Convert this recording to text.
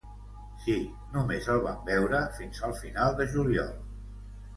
Sí, només el vam veure fins al final de juliol.